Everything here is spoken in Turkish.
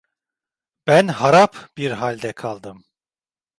Ben harap bir halde kaldım.